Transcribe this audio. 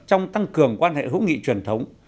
trong tăng cường quan hệ hữu nghị truyền thống